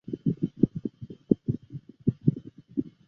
威肯勃格是美国亚利桑那州马里科帕县下属的一座城镇。